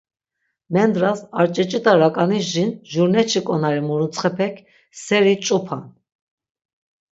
Mendras, ar ç̌iç̌it̆a rak̆aniş jin jurneçi k̆onari muruntsxepek seri ç̌upan.